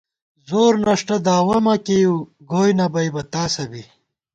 زورنݭٹہ داوَہ مہ کېئیَؤ گوئی نہ بئیبہ تاسہ بی